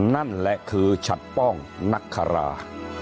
นั่นแหละคือฉัดป้องนักคารา